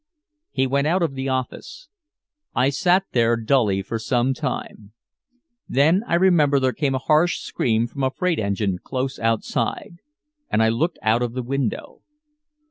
He went out of the office. I sat there dully for some time. Then I remember there came a harsh scream from a freight engine close outside. And I looked out of the window.